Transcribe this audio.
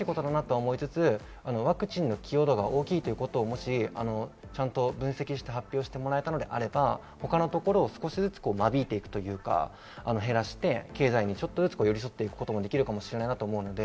難しいことだと思いつつ、ワクチンの起用度が大きいということを分析して発表してもらえたのであれば他のところを間引いていくというか減らして、経済に寄り添っていくこともできるかもしれないと思います。